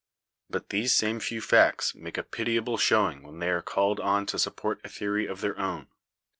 But these same few facts make a pitiable show ing when they are called on to support a theory of their own.